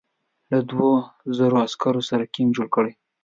له دوو زرو عسکرو سره کمپ جوړ کړی.